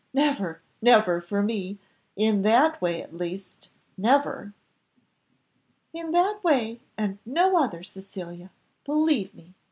never, never for me; in that way at least, never." "In that way and no other, Cecilia, believe me.